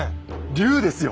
龍ですよ！